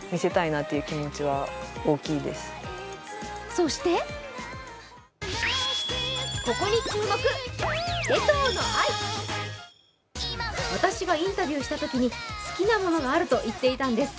そして私がインタビューしたときに好きなものがあると言っていたんです。